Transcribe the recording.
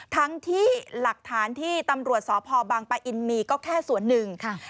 ทั้งที่หลักฐานที่ตำรวจสพบังปะอินมีก็แค่ส่วนหนึ่งค่ะ